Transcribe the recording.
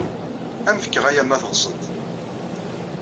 Ad am-fkeɣ aya ma teɣsed-t.